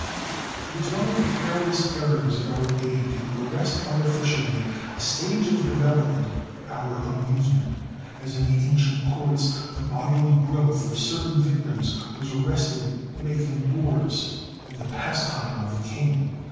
It is one of the careless errors of our day to arrest artificially a stage of development for our amusement; as in the ancient courts the bodily growth of certain victims was arrested to make them dwarfs and the pastime of the king.